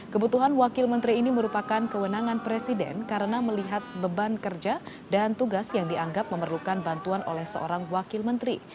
kebutuhan wakil menteri ini merupakan kewenangan presiden karena melihat beban kerja dan tugas yang dianggap memerlukan bantuan oleh seorang wakil menteri